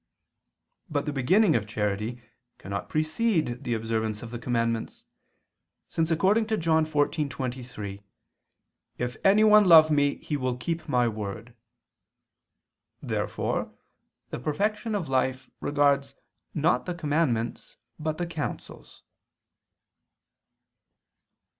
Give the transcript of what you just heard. But the beginning of charity cannot precede the observance of the commandments, since according to John 14:23, "If any one love Me, he will keep My word." Therefore the perfection of life regards not the commandments but the counsels.